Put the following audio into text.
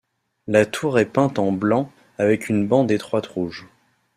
La tour est peinte en blanc avec une bande étroite rouge.